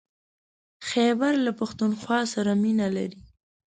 خيبر له پښتونخوا سره مينه لري.